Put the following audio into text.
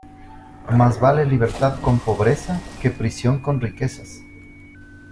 Más vale libertad con pobreza, que prisión con riquezas.